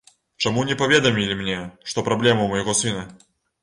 Чаму не паведамілі мне, што праблемы ў майго сына?